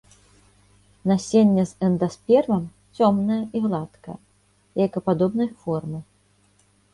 Насенне з эндаспермам, цёмнае і гладкае, яйкападобнай формы.